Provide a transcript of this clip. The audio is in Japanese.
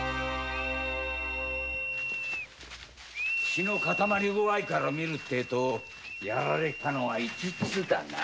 血の固まり具合から見ると殺されたのは五つだな。